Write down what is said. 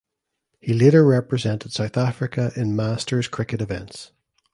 He later represented South Africa in Masters cricket events.